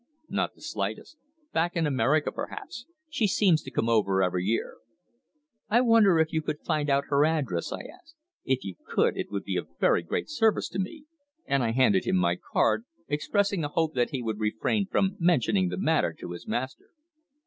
"Not the slightest. Back in America, perhaps. She seems to come over every year." "I wonder if you could find out her address?" I asked. "If you could, it would be of very great service to me," and I handed him my card, expressing a hope that he would refrain from mentioning the matter to his master.